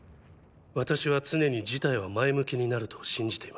私は常に事態は前向きになると信じています。